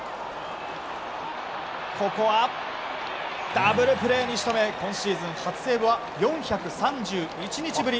ここは、ダブルプレーに仕留め今シーズン初セーブは４３１日ぶり。